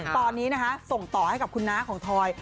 ตอนนี้นะคะส่งต่อให้กับคุณน้าของทอย